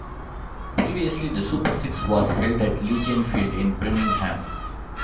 Previously, the Super Six was held at Legion Field in Birmingham.